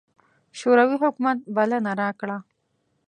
شوروي حکومت بلنه راکړه.